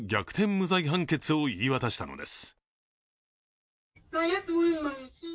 無罪判決を言い渡したのです。